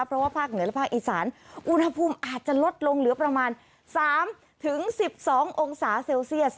เพราะว่าภาคเหนือและภาคอีสานอุณหภูมิอาจจะลดลงเหลือประมาณ๓๑๒องศาเซลเซียส